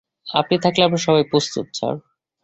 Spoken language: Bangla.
আপনি থাকলে আমরা সবাই প্রস্তুত, স্যার।